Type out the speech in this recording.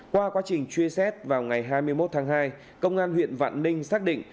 qua quá trình truy xét vào ngày hai mươi một tháng hai công an huyện vạn ninh xác định